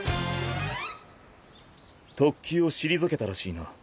特級を退けたらしいな。